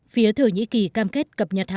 phía thổ nhĩ kỳ cam kết cập nhật hàng